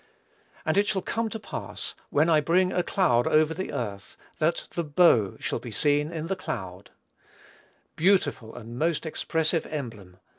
"And it shall come to pass, when I bring a cloud over the earth, that the bow shall be seen in the cloud." Beautiful and most expressive emblem!